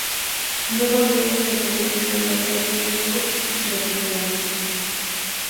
No volvió a desempeñar ningún cargo público de relevancia.